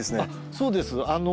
そうです。